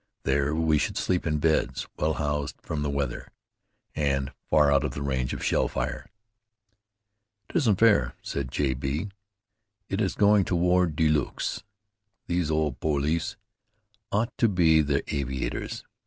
There we should sleep in beds, well housed from the weather, and far out of the range of shell fire. "It isn't fair," said J. B. "It is going to war de luxe. These old poilus ought to be the aviators.